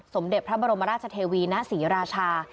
สมเด็จพระบรมราชเทวีณศรีราชา